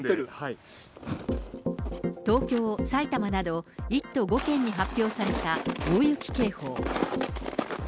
東京、埼玉など１都５県に発表された大雪警報。